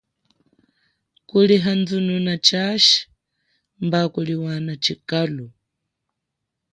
Kulihandununa tshashi mba kuliwana tshikalu.